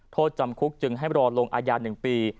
โทษจำคุกจึงให้รอลงอาญา๑ปี